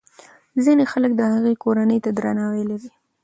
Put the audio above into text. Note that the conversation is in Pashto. ځینې خلک د هغه کورنۍ ته درناوی لري.